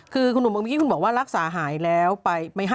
คือคุณบอกว่าลักษาหายแล้วไป